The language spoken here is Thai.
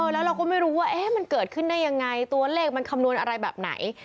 แล้วเราก็ไม่รู้ว่ามันเกิดขึ้นได้ยังไงตัวเลขมันคำนวณอะไรแบบไหน